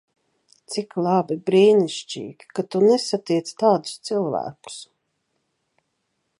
Cik labi, brīnišķīgi, ka tu nesatiec tādus cilvēkus.